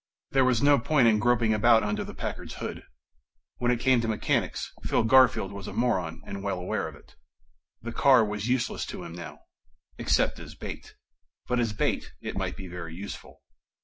There was no point in groping about under the Packard's hood. When it came to mechanics, Phil Garfield was a moron and well aware of it. The car was useless to him now ... except as bait. But as bait it might be very useful.